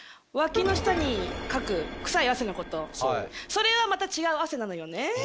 それはまた違う汗なのよね。